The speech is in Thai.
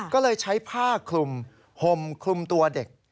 ก็เลยใช้ผ้าคลุมห่มคลุมตัวเด็ก